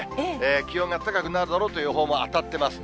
気温が高くなるだろうという予報も当たってます。